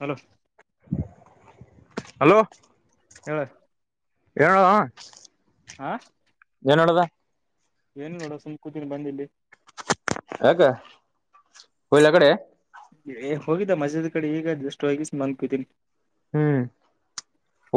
Hello hello ಹೇಳ ಳ ಹಾ ಕನ್ನಡದ ಏನು ನೋಡ ಸುಮ್ ಕೂತಿನ ಬಂದಲ್ಲಿ ಹಕ್ಕ ಹಯಲ ಕಡೆ ಹೋಗಿದ್ದ ಮಜದ ಕಡೆ ಈಗ ಅಷ್ಟು ಹೋಗಿಸ ಮಂಪಿದ್ದೀನಿ ಹ್ಮ್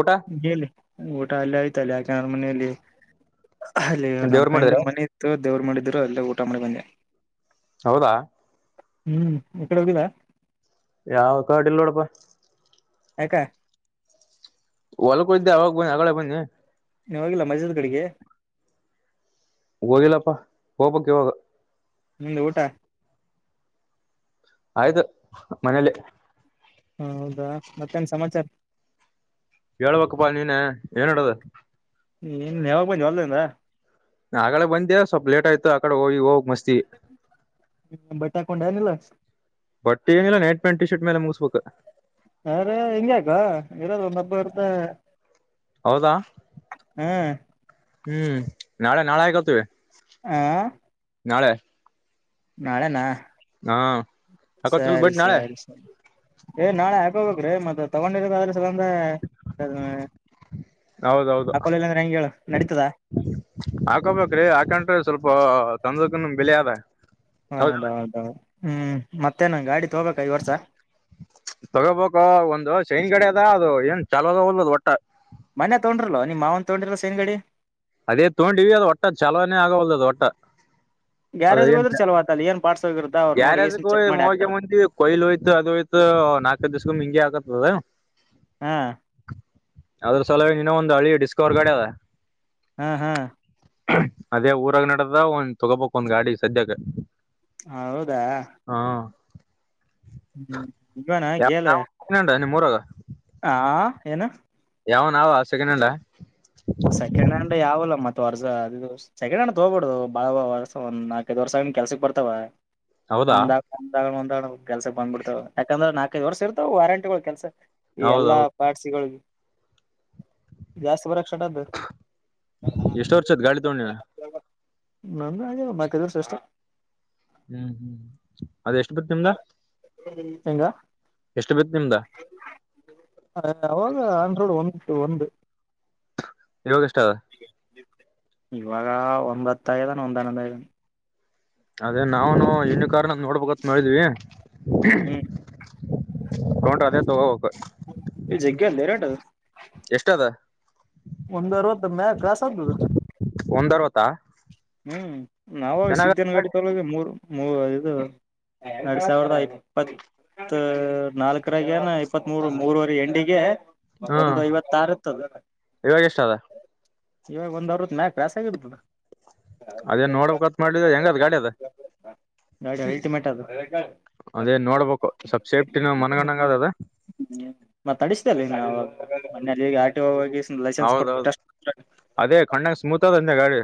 ಊಟ ಎಲ್ಲಿ ಊಟ ಅಲ್ಲ ಆಐ್ತಲ್ಲ ಯಾಕೆನ್ರ ಮನೆಯಲ್ಲಿ ಅಲ್ಲಿ ನೀನ್ ದೇವ್ರ ನಮ್ ಫಂಡ್ ಮಾಡಿದ್ರ ಮನ ಇತ್ತು ದೇವರು ಮಾಡಿದ್ರು ಅಲ್ಲ ಊಟ ಮಾಡಿ ಬಂದೆ ಹೌದಾ ಹ್ಮ್ ಇಕಡೆ ಹೋಗಿದ ಯಾವ ಕಾರ್ಡ್ ಇಲ್ ನೋಡಪ ಹಕ ಹೊಲ್ಕೊ ಇದ್ದೆ ಅವಾಗ ಬನ್ನಿ ಆಗಡೆೇ ಬನ್ನಿ ನೀ ಹೋಗಿಲ್ಲ ಮಜಜದ್ ಕಡೆಗೆ ಹೋಗಿಲ್ಲಪ್ಪ ಹೋಗಬಕ್ ಇವಾಗ ನಿಮ್ದು ಊಟ ಆಯ್ತು ಮನೇಲಿ ಹಾ ಹೌದಾ ಮತ್ತೇನ್ ಸಮಾಚಾರ ಹೇಳ್ಬೇಕಪ್ಪಾ ನೀನ ಏನ್ಡದು ಇನ್ ಯಾವಾಗ ಬನ್ನಿ ಹೊಲ್ದಿಂದ ಆಗಡೆ ಬಂದೆ ಸ್ವಲ್ ಲೇಟ್ ಆಯ್ತು ಆಕಡೆ ಹೋಗಿ ಹೋಗಿ ಮಸ್ತ್ ಬಟಾಕೊಂಡನಲ್ಲ ಬಟ್ಟೆ ಏನಿಲ್ಲ ನೈಟ್ ಪ್ಯಾಂಟ್ ಟಿ ಶರ್ಟ್ ಮೇಲೆ ಮುಗಿಸ್ಬೇಕು ಯಾರ ಹೆಂಗ್ಯಾಕ ಇರದ ಒಂದ ಹಬ್ಬ ಇರ್ತ ಹೌದಾ ಹಾ ಹ್ಮ್ ನಾಳೆ ನಾಳೆ ಆಕತ್ವಿ ಆ ನಾಳೆ ನಾಳೆನಾ ಹಾ ಹಾಕೋತ್ರಿಲ್ ಸರಿ ಬಿಟ್ ನಾಳೆ ಸರಿ ಸರಿ ಏ ನಾಳೆ ಹಾಕ ಹಾಕೋಬೇಕ್ರೀ ಮತ್ತ ತಗೊಂಡಿರದಾದ್ರೆ ಸಂದ ಹೌದೌದು ಹಾಕೊಳಿಲ್ಲ ಇಲ್ಲ ಅಂದ್ರೆ ಹೆಂಗೆ ಹೇಳು ನೆಡೀತದ ಹಾಕೋಬೇಕ್ರಿ ಹಾಕಂಡ್ರೆ ಸ್ವಲ್ಪ ತಂದಕನು ಬೆಲೆ ಅದ ಹೌದೌದ ಹ್ಮ್ ಮತ್ ಮತ್ತೇ ಗಾಡಿ ತಕೊಬೇಕ ಈ ವರ್ಷ ಚೈನ್ ಗಾಡಿ ಅದ ಅದು ಏನ್ ಚಲೋದ ಹೊಲ್ಲದು ಒಟ್ಟ ಮನೆಯ ತಗೊಂಡ್ರಲ್ ನಿಮ್ಮ ಮಾವನ್ ತಗೊಂಡ್ರಿಲ್ಲ ಶೈನ್ ಗಾಡಿ ಅದೇ ತೊಗೊಂಡಿವಿ ಅದು ಒಟ್ಟ ಚಾಲೋನೇ ಆಗವಲ್ದು [inaudible] ಗ್ಯಾರೇಜ್ ಹೋಡ್ರು ಚಲೋತ ಅಲ್ಲಿ ಏನ್ ಪಾರ್ಟ್ಸ್ ಹೋಗಿರುತ್ತ ಅವ್ರು ನೋಡಿ ಗ್ಯಾರೇಜ್ ಎಷ್ಟ್ ಚೆಕ್ ಮಾಡಿ ಹೋಮೋಗೆ ಹಾಕ್ತಾರ ಮುಂದಿ ಕೊಯ್ಲು ಹೋಯ್ತು ಅದು ಹೋಯ್ತು ನಲ್ಕ ಐದು ದಿವಸ ಇಂಗೆ ಆಕತ್ತ [unintelligible] ಹ್ಮ್ ಅದ್ರ ಸಲ ಇನೋ ಒಂದ್ ಹಳೆ ಡಿಸ್ಕವರ್ ಗಾಡಿ ಅದ ಹ್ಮ್ ಹ್ಮ್ ಅದೇ ಊರಾಗ ನೆಡದ ಒಂದ್ ತೊಗೋಬೇಕು ಒಂದ್ ಗಾಡಿ ಸದ್ಯಕ್ಕೆ ಹ ಹೌದಾ ಹ್ಮ್ [unintelligible] ನಿಮ್ಮೂರಾಗ ಹಾ ಏನು ಯಾವನಾವ ಸೆಕಂಡ್ ಹ್ಯಾಂಡಲ್ ಆ ವರ್ಷ ಅದು ಸೆಕಂಡ್ ಹ್ಯಾಂಡಲ್ ತಗೋಬೋಡುದು ಬಾಳ ವರ್ಷ್ ಒಂದ ನಾಲ್ಕೈದು ವರ್ಷ ಆಗ ಕೆಲ್ಸಕ್ ಬರ್ತಾವ ಹೌದಾ ಒಂದ ಒಂದ ಕೆಲ್ಸಕ್ ಬಂದ್ಬಿಡ್ತಾವ ಯಾಕಂದ್ರೆ ನಾಲ್ಕೈಐದು ವರ್ಷ ಇರ್ತಾವ ವಾರಂಟಿಗಳು ಕೆಲ್ಸ ಈ ಎಲ್ಲಾ ಹೌದೌದು ಪಾಡ್ಸಿಗಳಿಗೆ ಜಾಸ್ತಿ ಬರಕ್ ಸ್ಟಾರ್ಟ್ ಆದ ಎಷ್ಟ ವರ್ಷ ಆಯ್ತು ಗಾಡಿ ತಗೊಂಡ ನಿನ್ ನಂದ ಹಾಗೆ ಮತ್ತವ್ರ ಹ್ಮ್ ಹ್ಮ್ ಅದ ಎಷ್ಟು ಬತ್ ನಿಮ್ದ ಹೆಂಗ ಎಷ್ಟು ಬಿತ್ತು ನಿಮ್ದ ಅವಾಗ ಆಂಡ್ರಾಯ್ಡ್ ಒಂದು ಒಂದು ಇವಾಗ ಎಸ್ಟ್ ಅವೇ ಇವಾಗ ಒಂಬತ್ತ ಆಗಿದನ್ನ ಒಂದ್ ಹನ್ನೊಂದ ಆಗಿದನ್ನ ಅದೇ ನಾವುನು ಇನೋವ ಕಾರ್ ನೋಡ್ಬೇಕತ್ ಮಾಡಿದ್ವಿ ಹ್ಮ್ ತಕೊಂಡ್ರೆ ಅದೇ ತಗೋಬೇಕು ಈ ಜಗ್ಗೆಲ್ಲರಟದು ಎಷ್ಟ ಅದ ಒಂದು ಅರವತ್ತು ಮೇಲೆ ಕ್ರಾಸ್ ಅದ್ದದು ಒಂದ್ ಅರವತ್ತಾ ಹ್ಮ್ ನಾವು ಚೆನ್ನಾಗ ಸಿದ್ದನ ಗಾಡಿ ತಕೊಂಡಾಗ ಮೂರ್ ಇದು ಎರಡ್ ಸಾವಿರದ ಇಪ್ಪತ್ ಮತ್ ನಾಲ್ಕರಾಗನ ಇಪ್ಪತ್ ಮೂರು ಮೂರವರೆ ಎಂಡಿಗೆ ಹಾ ಒಂದು ಐವತ್ತ ಆರು ಇತ್ತು ಅದು [unintelligible] ಇವಾಗ ಒಂದ್ ಅರವತ್ತು ನಾಲ್ಕು ಮೇಲೆ ಆಗಿರ್ತ್ತದ ಅದೇನ್ ನೋಡ್ಬಬೇಕತ್ ಮಾಡ್ಲಿ ಹೆಂಗದ್ ಗಾಡಿ ಅದ್ ನೋಡಿ ಅಲ್ಟಿಮೇಟ್ ಅದ್ ಅದೇ ನೋಡ್ಬೇಕು ಸ್ವಲ್ಪ್ ಸೇಫ್ಟಿನ ಮನ್ಗಣಂಗ ಅದ ಅದ ಮತ್ತತ್ ಅಡಿಸತೇಲ್ಲಿ ನಾವು ಮೊನ್ನೆ ಆರ್ ಟಿ ಓ ಗೆ ಹೋಗಿ ಲೈಸೆನ್ಸ್ ಕೊಟ್ಟ ಹೌದೌದು ಅದೇ ಕಣ್ಣಂಗ ಸ್ಮೂತ್ ಅದ ಅಂದೆ ಗಾಡಿ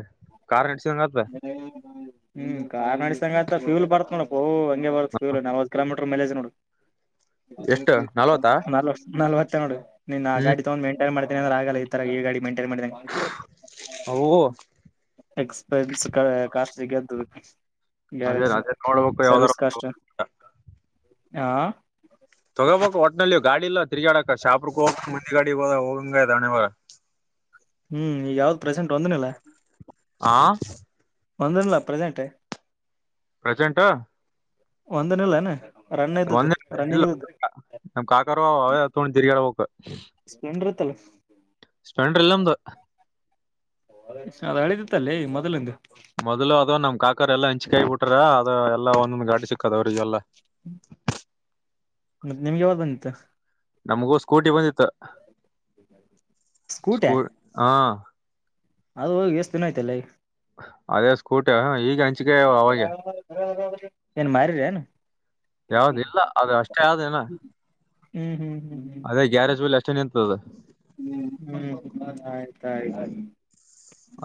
ಕಾರ್ ನಡ್ಸಿದಂಗ ಆತ ಹ್ಮ್ ಕಾರ್ ಅಡಸಂಗತ್ತ ಫ್ಯೂಲ್ ಬರ್ತನೋಡ ಪೋ ಇಂಗ ಬರುತ್ತ ಫ್ಯೂಲ್ ನಲವತ್ತು ಕಿಲೋಮೀಟರ್ ಮೇಲೆ ಇದೇ ನೋಡು ಎಷ್ಟು ನಲ್ವತ್ತಾ ನಲವತ್ತು ನೋಡು ನೀನ್ ಆಗಾ ಹ್ಮ್ ತಗೊಂಡ್ ಮೈಂಟನ್ ಮಾಡ್ತನಿ ಅ್ರಂದೇ ಆಗಲ್ಲ ಈ ತರ ಈಗಾಡಿ ಮೈಂಟ ಮೇಂಟೈನ್ ಮಾಡಿದಾಗೆ ಅವು ಎಕ್ಸ್ಪೆನ್ಸ್ಕ ಕಾಸ್ಟ್ಲಿ ಅದೇ ಗ್ಯಾರಜ್ ಅದೇ ನೋಡ್ಬೇಕು ಯಾವ್ದಾರ ಸರ್ವಿಸ್ ಕಷ್ಟ್ ಹಾ ಹೋಗಬೇಕ್ ಒ ಹೊಟ್ನಲ್ಲಿ ಗಾಡಿ ಇಲ್ಲ ತಿರ್ಗಾಡಕ ಶಾಪರ್ಕ್ ಹೋಗ ಮುಂದಿ ಗಾಡಿಗ [unintelligible] [unintelligible] ಹ್ಮ್ ಈ ಗ್ ಯಾವ್ದ್ ಪ್ರೆಸೆಂಟ್ ಒಂದನಿಲ್ಲ ಹಾ ಒಂದು ಇಲ್ಲ ಪ್ರೆಸೆಂಟೇ ಪ್ರಸೆಂಟು ಒಂದನಿಲ್ಲನೆ ರನ್ನ ಇದ್ದದ್ದು ಒಂದೇ ಇಲ್ಲ ರನ್ನಿಂಗ್ ಇದ್ ನಮ್ ಕಾಕರು ಅವ ಎತ್ಕೊಂಡ್ ದಿರ್ಗಾಡ್ ಬೇಕು. [unintelligible] ಸ್ಪ್ರೆಂಡ್ ಇಲ್ಲ ನ ಅದ ಅಳಿದಿತ್ತಲ್ಲೇ ಮೊದಲಿಂದು. ಮೊದಲು ಅದ್ ನಮ್ ಕಾಕರೆಲ್ಲ ಹಂಚ ಕಾಯಿ ಬಿಟ್ರ ಅದ ಎಲ್ಲಾ ಒಂದೊಂದ್ ಗಾಡಿ ಸಿಕ್ಕತದ ಅವ್ರಿಗೆಲ್ಲಾ. [unintelligible] ಮತ್ತೆ ನಿಮ್ಗೆ ಯಾವ್ಗ್ ಬಂದಿತ್ ನಮ್ಗೂ ಸ್ಕೂಟಿ ಬಂದಿತ್ತು ಸ್ಕೂಟಿ ಸ್ಕೂ ಹಾ. ಅದು ಹೋಗಿ ಎಷ್ಟು ದಿನಯ್ತಲೆ. ಅದೇ ಸ್ - - ಸ್ಕೂಟ ಈಗ ಹಂಚಿಕೇ ಅಗಾವ್ ಅವಾಗೆ. ಏನ್ ಮಾರಿರಿ ಏನು ಯಾವ್ದ ಇಲ್ಲ ಅದು ಅಷ್ಟೇ ಆದೇಲ್ಲ. ಹ್ಮ್ ಹ್ಮ್ ಹ್ಮ್ ಅದೇ ಗ್ಯಾರೇಜ್ ಅಲ್ಲಿ ಅಷ್ಟೇ ನಿಂತದ. ಹ್ಮ್ ಆಯ್ತಾಯ್ತು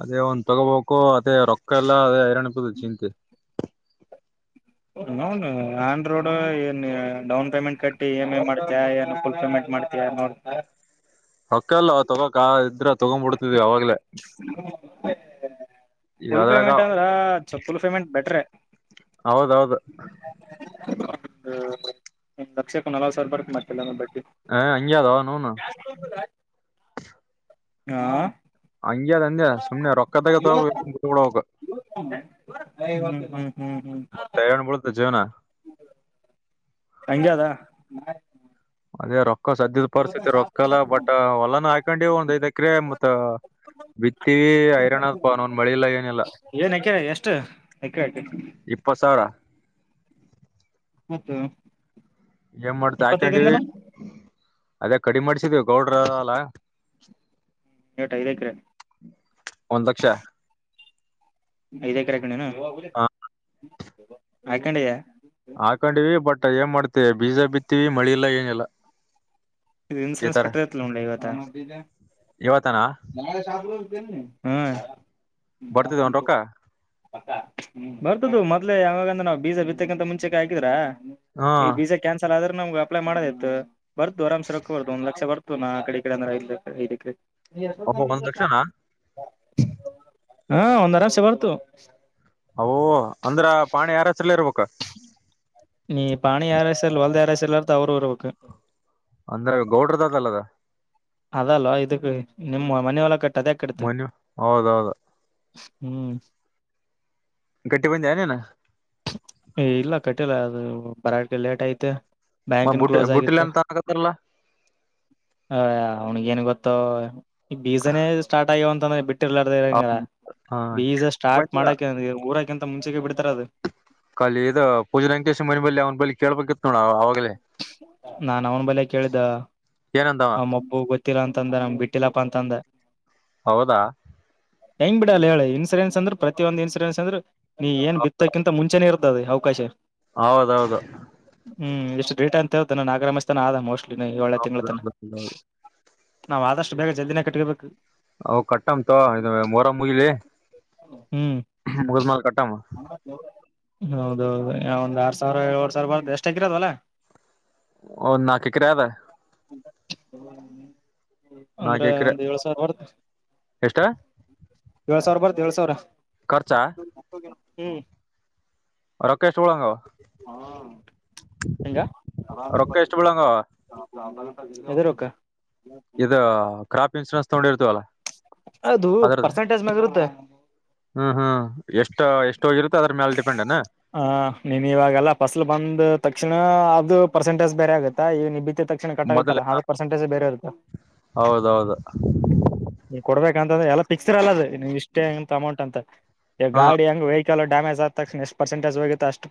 ಅದೇ ಒಂದ್ ತಗೋಬೇಕು. ಅ ರೊಕ್ಕ ಎಲ್ಲ ಐರನಪುದು ಚಿಂತಿ - ಅವನೋವ್ನ್ ಆನ್ ರೋಡ್ ಏನ್ ಡೌನ್ ಪೇಮೆಂಟ್ ಕಟ್ಟಿ ಇ ಎಮ್ ಐ ಮಾಡ- - ಮತ್ತೆ ಏನ ಫುಲ್ ಪೇಮೆಂಟ್ ಮಾಡ್ತೀಯ ನೋಡ್ - ಹಕ್ಕಲ್ ತಗೋಕ್ ಇದ್ರ ತಗೊಂಬುಡುತಿವಿ ಅವಾಗ್ಲೇ. ಈಗ ಫುಲ್ ಅದ್ರಾಗ ಪೇಮೆಂಟ್ ಅಂದ್ರ ಚ ಫುಲ್ ಪೇಮೆಂಟ್ ಬೆಟ್ರೆ. [unintelligible] ತಕ್ಷಕ ನಲ್ವತ್ತು ಸಾವಿರ ಬರುತ್ತೇ ಮತ್ತೆ ಮಾತಿಲ್ಲ ಹ ಅಂಗೇ ಅದ ಅವನೌನ್ನ. ಹಾ ಹಂಗೆ ಅಂದೆ ಸುಮ್ನೆ ರೊಕ್ಕದಾಗ ತಕೋಬೇಕ ಬಿಟ್ಟಬಿಡ ಬೇಕು. ಹುಂ ಮತ್ತೆ ಎನ್ [unintelligible] ಜೀವ್ನ ಹಂಗೇ ಅದ ಅದೇ ರೊಕ್ಕ ಸದ್ಯದ ಪರಿಸ್ಥಿತಿ ರೊಕ್ಕಲ್ಲ ಬಟ್ ಹೊಲಾನ ಹಾಕೊಂಡಿ ಒಂದ್ ಐದ ಎಕ್ರೆ ಮತ್ತ್ ಬಿತ್ತಿ ಐರಾಣಪ ಒನ್ ಮಳಿ ಇಲ್ಲ ಏನಿಲ್ಲ. ಏನ್ ಎಕೆ ಎಷ್ಟು ಎಕ್ಕ ಇಪ್ಪತ್ ಸಾವಿರ [unintelligible] ಏನ್ ಮಾಡ್ತ ಹಾಕೊಂಡಿ ಇಪ್ಪತ್ತೈದಿಂದಲ್ಲ ಅದೇ ಕಡಿಮೆ ಮಾಡಸಿದವಿ ಗೌಡ್ರ ಹೋಲ. ಎಟ್ ಐದೆಕ್ರೆ. ಒಂದ್ ಲಕ್ಷ ಐದ ಎಕರೆ ಹಾಕಂಡೆನು ಹ ಹಾಕಂಡಿಯ. ಹಾಕೊಂಡಿವಿ ಬಟ್ ಏನ್ ಮಾಡ್ತಿ ಬೀಜ ಬಿತ್ತೀ ವಿ ಮಳಿ ಇಲ್ಲ ಏನಿಲ್ಲ. ಇದು ಈ ಇನ್ಸೂರೆನ್ಸ್ ತರ ಕಟ್ಟಗಾತ್ ನೊಡ್ಲೆ ಇವತ್ತ ಇವತ್ತನಾ ಬರ್ತಿದ ಒನ್ ರೊಕ್ಕ ಹ್ಮ್ ಬರ್ತದು ಮೊದ್ಲೇ ಯಾವಾಗಂದ ನಾವ್ ಬೀಜ ಬಿತ್ತಕ್ಕಂತ ಮುಂಚೆಕ್ಕೆ ಹಾಕಿದ್ರಾ. ಹಾ ಈ ಬೀಜಾ ಕ್ಯಾನ್ಸಲ್ ಆದ್ರೆ ನಮ್ಗೆ ಅಪ್ಲೈ ಮಾಡೋದ್ ಇತ್ತು ಬರ್ತು ಆರಾಮ್ಸ ರೊಕ್ಕಬರ್ದುು ಒಂದ ಲಕ್ಷ ಬರ್ತ ಇತ್ತು ನಾ ಕಡೆ ಕಡೆಂದ್ರ ಐದೆಕ್ರೆ. ಒಬ್ಬ ಒಂದ್ ಲಕ್ಷನಾ ಹಾ ಒಂದ್ ಅರಾಮ್ಸೆ ಬರ್ತು. ಹೊ ಅಂದ್ರ ಪಾಣಿ ಯಾರ್ ಹೆಸ್ರಲ್ ಇರ್ಬೇಕು. ಈ ಪಾಣಿ ಯಾರ್ ಹೆಸರ ಹೋಲ್ಡ್ ಹೆಸರು ಅವ್ರ ಇರ್ಬೇಕು ಅಂದ್ರೆ ಗೌಡ್ರದಾದ ಅಲ್ಲದ ಅದಲ್ವಾ ಇದಕ್ಕೆ ನಿಮ್ಮ ಮನ ಎಲ್ಲ ಕಟ್ಟ ಅದ್ಯಾಕ್ ಕಟ್ತಿ ಮನು ಹೌದೌದ ಹೂ ಕಟ್ಟಿ ಬಂದ್ಯಾ ನೀನು ಇಲ್ಲ ಕಟ್ಟಿಲ್ಲ ಅದು ಬರ ಲೇಟ್ ಐತು ಬ್ಯಾಂಕುನ್ನು ಬುಟ್ಟಿ ಕ್ಲೋಸ್ ಬುಟ್ಟಿಲ್ ಆಗತ್ತು ಅಂತ ಅನಕತ್ತಲ್ಲ ಹ ಅವ್ನಿಿಗೆೇನ್ ಗೊತ್ತ ಈ ಬೀಸನೇ ಸ್ಟಾರ್ಟ್ ಆಗ್ಯವ ಅಂತಂದ್ರೆ ಬಿಟ್ಟ ಂಗ ಹಾ ಬೀಜ ಸ್ಟಾರ್ಟ ಮಾಡಕ ಊರಕಿಂತ ಮುಂಚೆ ಬಿಡ್ ಕಲಿ ಇ ಪೂಜೆ ರಂಕೇಶ ಮನೆ ಬಳಿ ಅವ್ನ ಬಳಿ ಕೇಳ್ಬೇಕಿತ್ತು ನೋಡ ಅವಾಗಲೇ ನಾನ್ ಅವನ್ ಬಲೆ ಕೇಳ್ದ ಏನಂದವ ಅವಮ್ಮಬ್ಬು ಗೊತ್ತಿಲ್ಲ ಅಂತಂದ ನಮ್ ಬಿಟ್ಟಿಲ್ಲಪ್ಪಾ ಅಂತಂದ ಹೌದಾ ಹೆಂಗ್ ಬಿಡಲ್ಲ ಹೇಳ ಇನ್ಸೂರೆನ್ಸ್ ಅಂದ್ರ ಪ್ರತಿಯೊಂದು ಇನ್ಸೂರೆನ್ ಅಂದ್ರೆ ನೀ ಏನ್ ಬಿತ್ತಕ್ಕಿಂತ ಮುಂಚೆ ಇ ಇರ್ತಾತಿ ಅವಕಾಶ ಹೌದೌದು ಹೂ ಞ ಎಷ್ಟು ೇಟ್ ಅಂತ ಹೇಳ್ದು ನಾಗರಮಾಸಿ ಆದ ಮೋಸ್ಟ್ಲಿ ಏಳೇ ತಿಂಗಳ ತನ ಹೌದೌದು ನಾವ್ ಆದಷ್ಟು ಬೇಗ ಜಲ್ದಿನ ಕಟ್ಕಬೇಕು ಅವು ಕಟ್ಟಂ ತಗೋ ಇ ಮೋರಂ ಮುಗಿಲಿ ಹ್ಮ್ ಮುಗ್ಡ್ಮೇಲೆ ಕಟ್ಟಾಮ ಹೌದೌದು ಒಂದ್ ಆರ್ ಸಾವಿರ ಏಳ ಡ್ ಸಾವಿರ ಬರುತ ಎಷ್ಟಾ ಎಕರೆ ಆದ ಹೊಲ ಹೌದು ನಾಕ್ ಎಕರೆ ಆದ ಹ ಅಂದ್ರೆ ಎಕರೆ ಒಂದ್ ಏಳ್ ಸಾವಿರ ಬರ್ತ್ ಎಷ್ಟ ಏಳ್ ಸಾವಿರ ಬರ್ತ್ ಏಳ್ ಸಾವಿರ ಖರ್ಚಾ ಹೂ ಹೂ ರೊಕ್ಕ ಎಷ್ಟು ಬೀಳಂಗವ ಈಗ ರೊಕ್ಕ ಎಷ್ಟು ಬೀಳಂಗವ ಹೇಡ್ರು ರೊಕ್ಕ ಇ ಕ್ರಾಪ್ ಇನ್ಸೂರೆನ್ಸ್ ತಗೊಂಡಿ ಇರ್ತವಲ್ಲ ಅದು ಪರ್ಸೆಂಟೇಜ್ ಮ್ಯಾಗ ಇರುತ್ತೆ ಹ ಹಾ ಎಷ್ಟ ಎಷ್ಟೋಗಿರುತ್ತೋ ಅದ್ರ ಮ್ಯಾಲ ಡಿಪೆಂಡ್ ಏನ ಹ ನೀನ್ ಇವಾಗಲ್ಲ ಫಸಲ್ ಬಂದ ತಕ್ಷಣ ಅದು ಪರ್ಸೆಂಟೇಜ್ ಬೇರೆ ಆಗತ್ತಾ ಈಗ ನಿ ತಕ್ಷಣ ಮೊದಲ ಕಟ್ಟಾಗುತ್ತಲ್ಲ ಆದ್ರ ಪರ್ಸೆಂಟೇಜ ಬೇರೆ ಇರುತ್ತ ಹೌದೌದು ನೀ್ ಕೊಡ್ಬೇಕಂತ್ರ ಎಲ್ಲಾ ಿಕ್ಸ್ರ್ ಅಲ್ಲ ಅದು ನೀವ್ ಇಷ್ಟೇಂತ ಅಮೌಂಟ್ ಅಂತ ಹಾ ಗಾಡಿ ಹೆಂಗ ವ ಚಲೋ ಡ್ಯಾಮೇಜ್ ಆದ ತಕ್ಷಣ ಎಷ್ಟು ಪರ್ಸೆಂಟೇಜ್ ಹೋಗಿತ್ತು ಅಷ್ಟು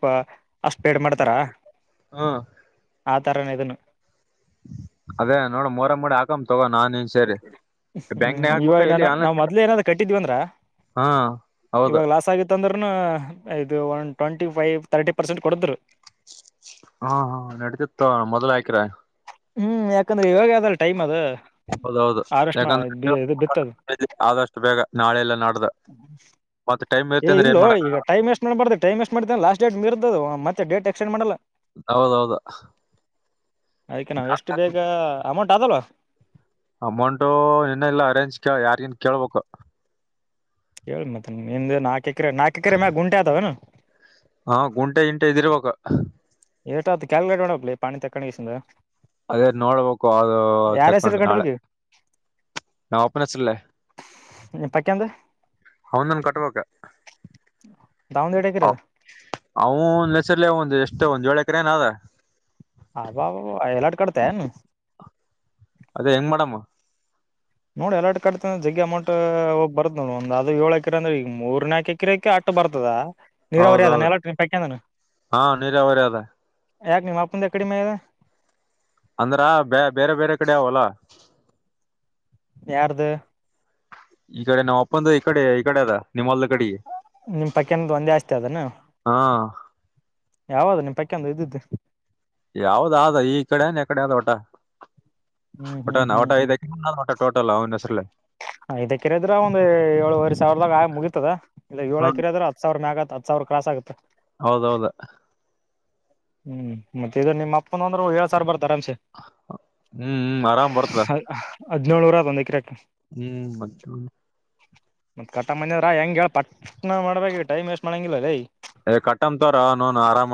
ಅಷ್ಟು ಪೇಡ್ ಮಾಡ್ತಾರ ಹಾ ಆತರನು ಇದುನು ಅದೇ ನೋಡ ಮೊರ ಮೂಡಿ ಹಾಕಮ್ಮ ತಗೋ ನನ್ ನೀನ್ ಸೇರಿ ಬ್ಯಾಂಕ್ನಾಗ ಹೂ ಹಾಕ್ಬೇಕ ಇವಾಗ ಇಲ್ಲಿ ನಾನ ಆನ್ಲೈನ್ ನಾವ್ ಮೊದ್ಲೆ ಏನಾದ್ ಕಟ್ಟಿದ್ವಿ ಅಂದ್ರ ಹಾ ಹೌದು ಇವಾಗ ಲಾಸ್ ಆಗಿತ್ತ ಅಂದ್ರ ಇದು ಒಂದು ಟ್ವೆಂಟಿ ಫೈವ್ ತರ್ಟಿ ಪರ್ಸೆಂಟ್ ಕೊಡದ್ರು ಹಾ ಹಾ ನಡೀತಿ ತಗೋ ಮೊದ್ಲ ಹಾಕಿದ್ರ ಹೂ ಯಾಕಂದ್ರೆ ಇವಾಗ ಅದಲ್ಲ ಟೈಮ್ ಅದ ಹೌದೌದು ಯಾಕಂದ್ರೆ ಆದಷ್ಟು ಬೇಗ ನಾಳೆ ಎಲ್ಲಾ ನಡ್ದ ಹೂ ಏ ಇಲ್ಲೊ ಈಗ ಟೈ್ಮ್ಮ್ ವೇಸ್ಟ್ ಮಾಡಬಾರ್ದುಟೈಮ್ ವಸ್ಟ್ ಮಾಡ್ೇನೆ ಲಾಸ್ ಡೇಟ್ ಮರ್ದ ಅ ಮತ್ತ ಡೇಟ್ ಎಕ್ಸ್ಟಂಡ್ ಮಾಡಲ್ಲ ಹೌದೌದಾ ಅದ್ಕೆ ನಾವು ಎಷ್ಟು ಬೇಗ ಅಮೌಂಟ್ ಆದಲ್ವಾ ಅಮೌಂಟು ಇನ್ನ ಇಲ್ಲ ಅರೇಂಜ್ ಕ ಯಾರಿಗಿನ್ ಕೇಳ್ಬೇಕು ಕೇಳಿ ಮತ್ ನಿಮ್ದ ನಾಲ್ಕ ಎಕರೆ ನಾಲ್ಕ ಎಕರೆ ಮ್ಯಾಗೆ ಗುಂಟೆ ಆದಾವೇನು ಹಾ ಗುಂಟೆ ಇಂಟೆ ಇದಿರ್ಬೇಕ ಏಟ್ ಆತ ಕ್ಯಾಲಕಿಲೇಟ್ ಮಾಡಬೇಕ್ ಲೆ ಪಾಣಿ ತಕ್ಕಂಡೆಸಿಂದ ಅದೇ ನೋಡ್ಬೇಕು ಅದು ಹೆಸರು ತಕೊಂಡು ನಾಳೆ ಕಟ್ಬೇಕು ಈಗ? ನಮ್ಮಪ್ಪನ್ ಹೆಸರ್ಲೆ ನಿ ಪಕೆಂದ ಅವ್ನದೊಂದ ಕಟ್ಬೇಕ ದಾವಣಗೆರೆ ಕಡೆದ ಅವನ್ ಹೆಸರ್ಲೆ ಒಂದು ಎಷ್ಟೇ ಒಂದ ಏಳ ಎಕ್ರೆ ಏನ್ ಆದ ಹಬಾಬಾಬ ಎರೆಡ್ ಕಟ್ಟೇತಾನು ಅದೇ ಹೆಂಗ್ ಮಾಡಮ್ಮ ನೋಡಿ ಎರಡ ಕರ್ತ ಜಗ್ ಅಮೌಂಟ್ ಹೋಗ್ ಬರುದ ನ ಒಂದ ಅದು ಏಳಕಿರಂದ್ರ ಈಗ ಮೂರ್ ನಕ ಕಿರಕ್ಕೆ ಆಟ್ಟು ಬರ್ತದ ನೀರಾವರಿ ಹೌದೌದು ಅದಾನ ಹಾ ನೀರಾವರಿ ಅದ ಯಾಕ ನಿಮ್ಮ್ ಅಪ್ಪಂದ ಎಕಡಿ ಮೇದ ಅಂದ್ರ ಬೇ ಬೇರೆ ಬೇರೆ ಕಡೆ ಅವಲ್ಲ ಯಾರ್ದ ಈ ಕಡೆ ನಾವ ಅಪ್ಪಂದ ಈ ಕಡೆ ಈ ಕಡೆ ಅದ ನಿಮ್ಮೊಲ್ದ ನಿಮ್ ಪಕ್ಯಂದ ಒಂದೇ ಆಸ್ತಿ ಅದಾನ ಹಾ ಯಾವದು ನಿ ತಕ್ಕಂದ ಇದ್ದಿದ್ದೆ ಯಾವ್ದ ಆದ ಈ ಕಡೆ ಅನ್ ಯ ಕಡೆ ಆದ ಊಟ ಹ್ಮ್ ಹ್ಮ್ ಒಟಾನ ಒಟ ಐದಕ ಒಟ ಟೋಟಲ್ ಅವ್ನ ಹೆಸ್ರೇ ಹ ಇದಕ್ಕಿರಿದ್ರ ಒಂದ್ ಏಳುವರೆ ಸಾವಿರದಾಗ ಆ ಮುಗಿತದ ಇಲ್ಲ ಏಳ ಹ್ಮ ಕಿದ್ರ ಹತ್ಸಾವಿರ ಮ್ಯಗ ಹತ್ ಸಾವಿರ ಕ್ರೋಸಗುತ್ ಹೌದೌದು ಹ್ಮ್ ಮತ್ತೆ ಇದ ನಿಮ್ಮ ಅಪ್ಪನ ಅಂದ್ರ ಏಳ್ ಸಾರ್ ಬರ್ತಾರ ಆರಾಮಸೆ ಹ್ಮ್ ಹ್ಮ್ ಆರಾಮ್ ಬರ್ತದ ಹದ ಹದಿನೇಳುರ ಬಂದ ಐಟಿ ಹ್ಮ್ ಮ ಮತ್ ಕಟ್ಟ ಮನದ್ರ ಹೆಂಗ ಹೇಳ ಪಟ್ನ ಮಾಡ್ಬೇಕ ಟೈಮ್ ವೇಸ್ಟ್ ಮಾಡಂಗಿಲ್ಲ ಲೈ ಕಟ್ಟಮ ತೋರೋ ನೌನ ಆರಾಮ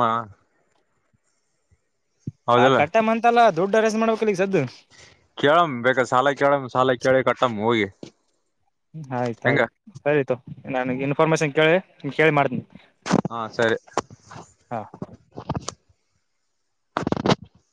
ಆ ಕಟ್ಟಮ ಅಂತಲ್ಲ ದುಡ್ಡ ಅರೇಂಜ್ ಮಾಡದು ಕೇಳಮ ಬೇಕ ಸಾಲ ಕೇಳಮ ಸಾಲ ಕೆೇಳಿ ಕಟ್ಟಮ್ಮ ಹೋಗಿ ಹೆಂಗ ಆಯ್ತಾಯ್ತು ಸರಿತೋ ನನಗೆ ಇನ್ಫಾರ್ಮೇಶನ್ ಕೇಳಿ ಕೇಳಿ ಮಾಡ್ತೀನಿ ತೊ ಹಾ ಸರಿ ಹಾಂ